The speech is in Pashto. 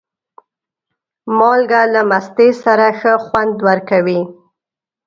مالګه له مستې سره ښه خوند ورکوي.